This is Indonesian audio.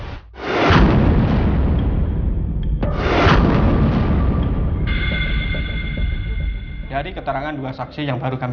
pemilihan kepolisian praca lima